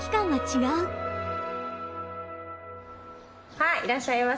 はいいらっしゃいませ。